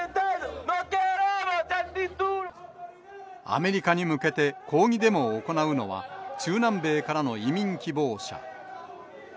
アメリカに向けて、抗議デモを行うのは、中南米からの移民希望者。